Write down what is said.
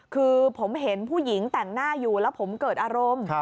คือผมเห็นผู้หญิงแต่งหน้าอยู่แล้วผมเกิดอารมณ์